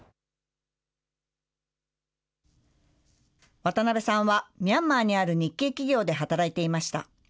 渡辺さんはミャンマーにある日系企業で働いていました。